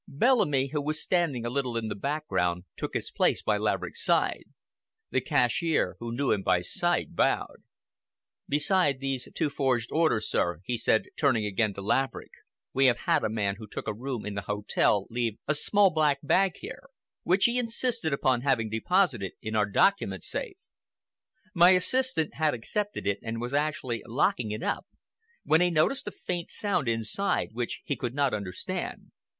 Bellamy, who was standing a little in the background, took his place by Laverick's side. The cashier, who knew him by sight, bowed. "Beside these two forged orders, sir," he said, turning again to Laverick, "we have had a man who took a room in the hotel leave a small black bag here, which he insisted upon having deposited in our document safe. My assistant had accepted it and was actually locking it up when he noticed a faint sound inside which he could not understand.